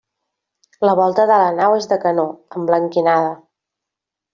La volta de la nau és de canó, emblanquinada.